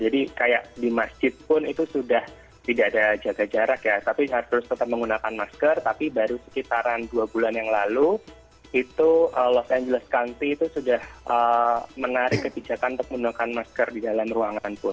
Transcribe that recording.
jadi kayak di masjid pun itu sudah tidak ada jaga jarak ya tapi harus tetap menggunakan masker tapi baru sekitaran dua bulan yang lalu itu los angeles county itu sudah menarik kebijakan untuk menggunakan masker di dalam ruangan pun